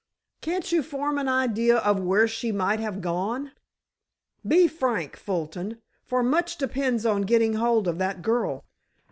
"Can't you form any idea of where she might have gone? Be frank, Fulton, for much depends on getting hold of that girl."